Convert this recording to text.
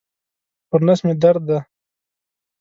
پر نس مي درد دی.